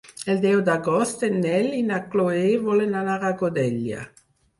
El deu d'agost en Nel i na Chloé volen anar a Godella.